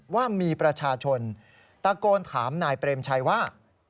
ว่ามีประชาชนตะโกนถามนายเปรมชัยว่า